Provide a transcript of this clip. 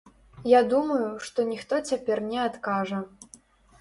Я думаю, што ніхто цяпер не адкажа.